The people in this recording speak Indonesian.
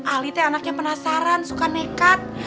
ali teh anaknya penasaran suka nekat